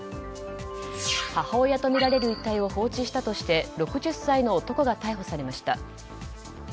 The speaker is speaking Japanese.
母親とみられる遺体を放置したとして６０歳の男が逮捕されました。